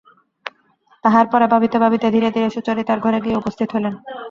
তাহার পরে ভাবিতে ভাবিতে ধীরে ধীরে সুচরিতার ঘরে গিয়া উপস্থিত হইলেন।